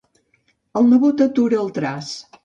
El nebot atura el traç.